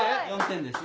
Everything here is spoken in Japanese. ４点です。